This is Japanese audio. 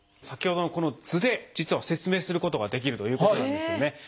先ほどのこの図で実は説明することができるということなんですよね。